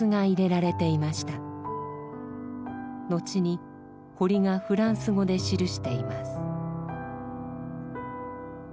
後に堀がフランス語で記しています。